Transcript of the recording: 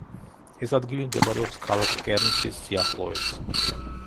ეს ადგილი მდებარეობს ქალაქ კერნსის სიახლოვეს.